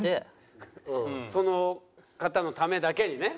その方のためだけにね。